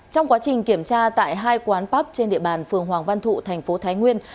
trong quá trình kiểm tra tại hai quán pắp trên địa bàn phường hoàng văn thụ thành phố thái nguyên